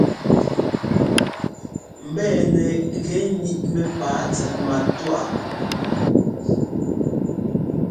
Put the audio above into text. Mbɛ̂nɛ gɛ́ níʼ mɛ́pǎa tsɛt matúwa.